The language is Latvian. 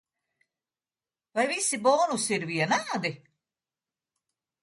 Vai visi bonusi ir vienādi?